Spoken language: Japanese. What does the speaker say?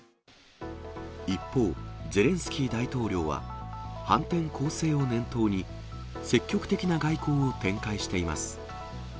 一方、ゼレンスキー大統領は、反転攻勢を念頭に積極的な外交を展開しています。